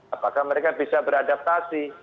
apakah mereka bisa beradaptasi